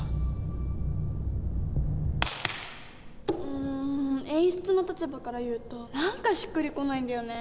うん演出の立場から言うと何かしっくり来ないんだよね。